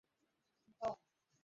তোকে সেটা কে বললো?